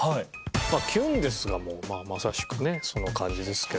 「きゅんです！」がもうまさしくねその感じですけど。